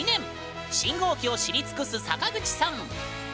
信号機を知り尽くす坂口さん